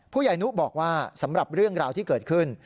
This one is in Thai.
ผู้ใหญ่นุบอกว่าสำหรับเรื่องราวที่เกิดขึ้น